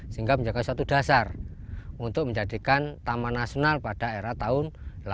sehingga menjadi satu dasar untuk menjadikan taman nasional pada era tahun seribu sembilan ratus delapan puluh dua